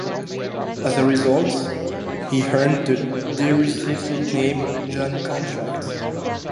As a result, he earned the derisive nickname "Jon Contract".